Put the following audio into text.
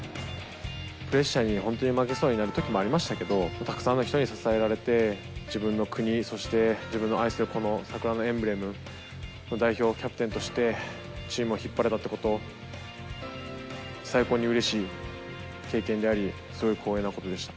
プレッシャーに本当に負けそうになるときもありましたけど、たくさんの人に支えられて、自分の国、そして自分の愛するこの桜のエンブレムの代表キャプテンとして、チームを引っ張れたってこと、最高にうれしい経験であり、すごく光栄なことでした。